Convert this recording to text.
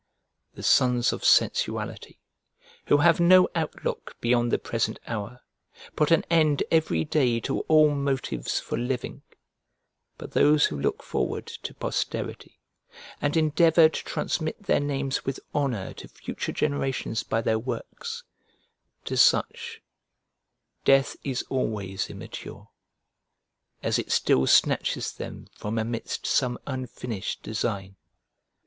The sons of sensuality, who have no outlook beyond the present hour, put an end every day to all motives for living, but those who look forward to posterity, and endeavour to transmit their names with honour to future generations by their works to such, death is always immature, as it still snatches them from amidst some unfinished design.